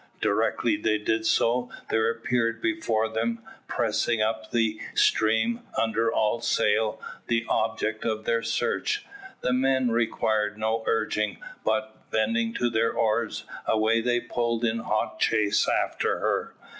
Directly they did so there appeared before them, pressing up the stream, under all sail, the object of their search. The men required no urging, but, bending to their oars, away they pulled in hot chase after her.